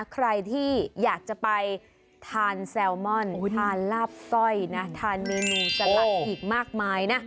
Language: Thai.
ใครที่อยากจะไปทานแซลมอนทานลาบสร้อยนะทานเมนูสลัดอีกมากมายนะ